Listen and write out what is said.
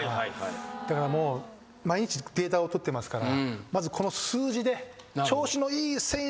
だからもう毎日データを取ってますから。